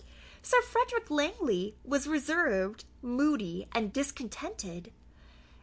Sir Frederick Langley was reserved, moody, and discontented.